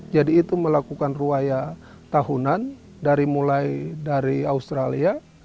jadi itu melakukan ruaya tahunan dari mulai dari australia